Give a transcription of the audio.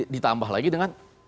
ditambah lagi dengan